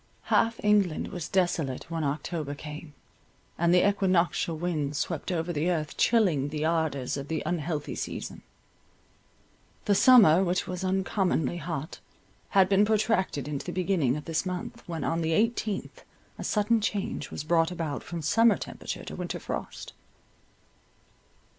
Half England was desolate, when October came, and the equinoctial winds swept over the earth, chilling the ardours of the unhealthy season. The summer, which was uncommonly hot, had been protracted into the beginning of this month, when on the eighteenth a sudden change was brought about from summer temperature to winter frost.